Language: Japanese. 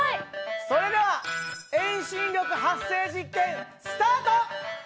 それでは遠心力発生実験スタート！